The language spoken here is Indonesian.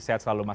sehat selalu mas